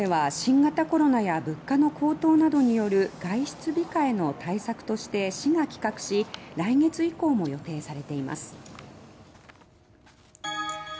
「無料デー」は新型コロナや物価の高騰などによる外出控えの対策として市が企画し来月以降も予定されています。